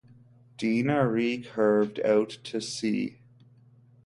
Deanna re-curved out to sea.